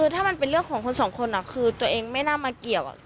ถ้ามันเป็นเรื่องของคนสองคนคือตัวเองไม่น่ามาเกี่ยว